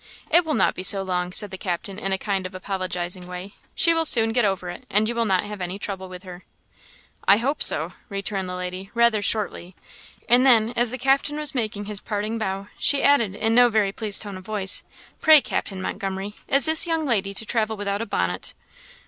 "It will not be so long," said the captain, in a kind of apologizing way; "she will soon get over it, and you will not have any trouble with her." "I hope so," returned the lady, rather shortly; and then, as the captain was making his parting bow, she added, in no very pleased tone of voice "Pray, Captain Montgomery, is this young lady to travel without a bonnet?"